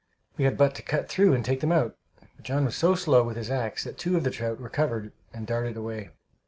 We had but to cut through and take them out, but John was so slow with his axe that two of the trout recovered and darted away.